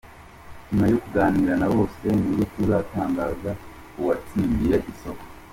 Nyuma yo kuganira na bose nibwo tuzatangaza uwatsindiye isoko.